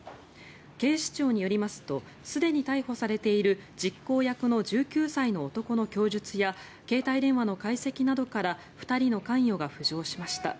警視庁によりますとすでに逮捕されている実行役の１９歳の男の供述や携帯電話の解析などから２人の関与が浮上しました。